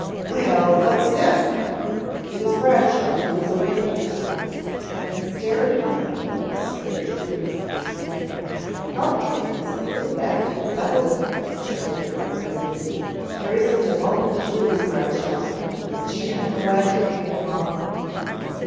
"Well, what's this?" It was Bradshaw who was awaiting them, and stared in wonder at the strange group. "Help us get these people back to the settlement," Jim said breathlessly. "There isn't a moment to lose, Bradshaw. Gee, I'm glad you came along."